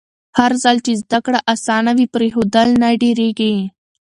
هرځل چې زده کړه اسانه وي، پرېښودل نه ډېرېږي.